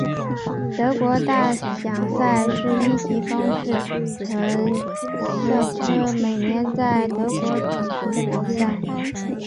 德国大奖赛是一级方程式赛车每年在德国举行的比赛。